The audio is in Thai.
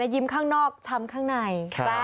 ยิ้มข้างนอกช้ำข้างใน